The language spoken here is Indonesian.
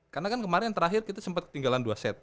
karena kan kemarin terakhir kita sempet ketinggalan dua set